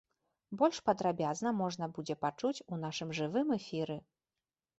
Больш падрабязна можна будзе пачуць у нашым жывым эфіры.